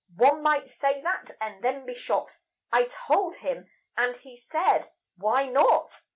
"One might say that and then be shot," I told him; and he said: "Why not?"